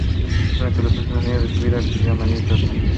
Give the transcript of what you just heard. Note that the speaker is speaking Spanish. Durante los últimos años de su vida residió en Miami, Estados Unidos.